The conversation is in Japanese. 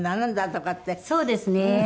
そうですね。